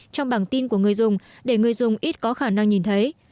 trong bảng tin của người dùng để người dùng ít có khả năng nhìn thấy